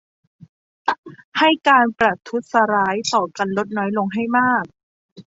ให้การประทุษฐร้ายต่อกันลดน้อยลงให้มาก